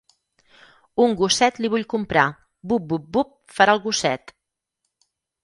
Un gosset li vull comprar. Bup, bup, bup, farà el gosset.